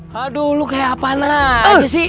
haduh lo kayak apaan aja sih